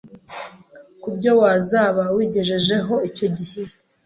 kubyo wazaba wigejejeho icyo gihe.